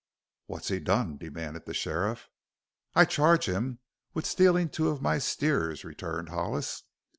"What's he done?" demanded the sheriff. "I charge him with stealing two of my steers," returned Hollis.